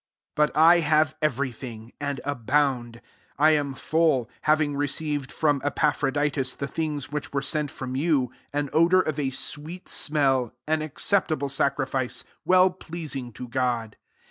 18 But I have every thing, and abound : I am full, having received from Epftphrodittts the things which were sent from you, an odour of a sweet smell, an acceptable sacrifice, well pleasing to God.